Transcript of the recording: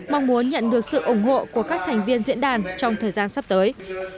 mong muốn nhận được sự ủng hộ của các thành viên diễn đàn trong thời gian sắp tới